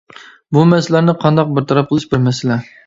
بۇ مەسىلىلەرنى قانداق بىر تەرەپ قىلىش بىر مەسىلە.